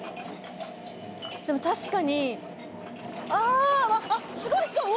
でも確かにああっすごいすごい！